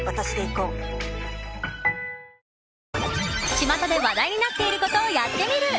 巷で話題になっていることをやってみる。